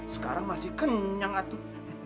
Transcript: sekarang masih kenyang atuh